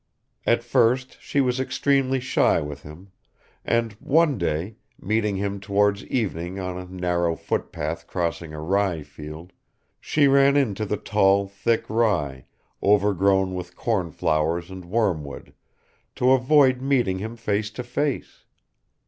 At first she was extremely shy with him, and one day, meeting him towards evening on a narrow footpath crossing a rye field, she ran into the tall, thick rye, overgrown with cornflowers and wormwood, to avoid meeting him face to face.